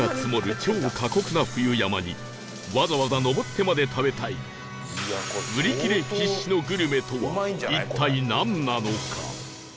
超過酷な冬山にわざわざ登ってまで食べたい売り切れ必至のグルメとは一体なんなのか？